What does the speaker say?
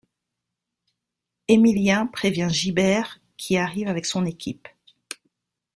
Émilien prévient Gibert qui arrive avec son équipe.